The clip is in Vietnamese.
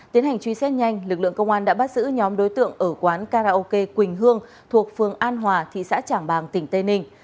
tiến hành truy xét nhanh lực lượng công an đã bắt giữ nhóm đối tượng ở quán karaoke quỳnh hương thuộc phường an hòa thị xã trảng bàng tỉnh tây ninh